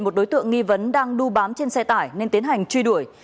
một đối tượng nghi vấn đang đu bám trên xe tải nên tiến hành truy đuổi